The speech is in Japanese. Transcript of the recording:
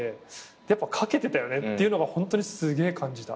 やっぱ懸けてたよねっていうのがホントにすげえ感じた。